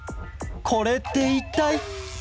これっていったい！？